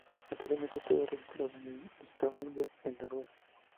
Anteriormente estuvo registrado en Stavanger, en Noruega.